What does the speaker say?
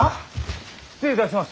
失礼いたします。